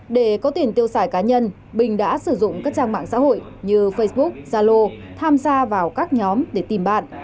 để có tiền tiêu xài cá nhân bình đã sử dụng các trang mạng xã hội như facebook zalo tham gia vào các nhóm để tìm bạn